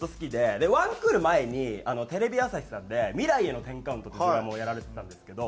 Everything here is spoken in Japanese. ワンクール前にテレビ朝日さんで『未来への１０カウント』っていうドラマをやられてたんですけど。